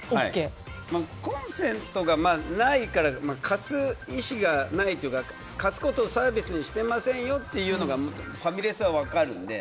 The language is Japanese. コンセントがないから貸す意志がないというか貸すことをサービスにしてませんよというのがファミレスは分かるので。